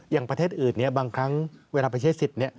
อย่างประเทศอื่นบางครั้งเวลาไปใช้สิทธิ์